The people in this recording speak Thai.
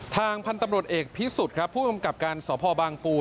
ทางพันธมรตอีกพิสุทธิ์ครับผู้กำลังทำการสพบปูนฯ